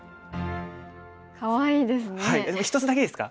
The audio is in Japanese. かわいいですね。